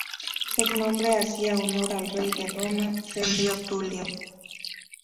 El nombre hacía honor al Rey de Roma, Servio Tulio.